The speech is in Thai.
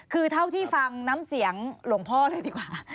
คือเท่าที่ฟังน้ำเสียงหลวงพ่อเลยดีกว่า